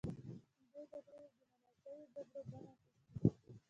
دې جګړو اوس د منل شویو جګړو بڼه اخیستې.